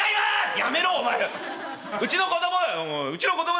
「やめろお前。